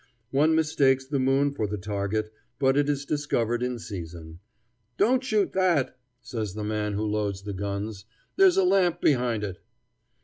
One mistakes the moon for the target, but is discovered in season. "Don't shoot that," says the man who loads the guns; "there's a lamp behind it."